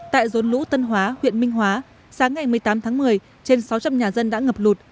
tại rốn lũ tân hóa huyện minh hóa sáng ngày một mươi tám tháng một mươi trên sáu trăm linh nhà dân đã ngập lụt